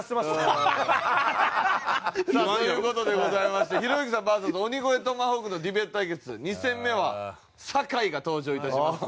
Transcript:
という事でございましてひろゆきさんＶＳ鬼越トマホークのディベート対決２戦目は坂井が登場いたします。